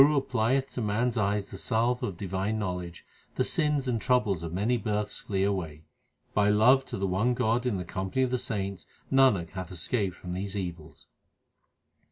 When the Guru applieth to man s eyes the salve of divine knowledge, the sins and troubles of many births flee away. By love to the one God in the company of the saints Nanak hath escaped from these evils.